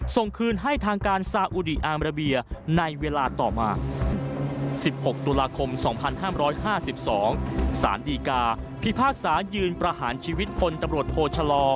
ส่งคืนให้ทางการซาอุดีอามราเบียในเวลาต่อมา๑๖ตุลาคม๒๕๕๒สารดีกาพิพากษายืนประหารชีวิตพลตำรวจโทชะลอ